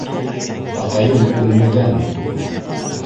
Атайым үлмәгән!